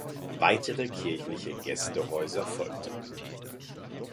Weitere kirchliche Gästehäuser folgten.